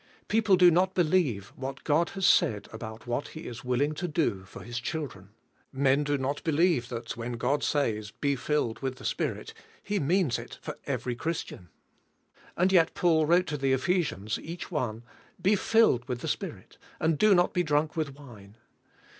People do not believe what God has said about what He is willing to do for His children. Men do not believe that when God says, "Be filled with the Spirit," He means it for every Christian. And y^\ Paul wrote to the Ephesians each one: "Be filled with the Spirit, and do not be drunk with wine."